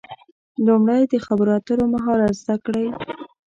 لومړی د خبرو اترو مهارت زده کړئ.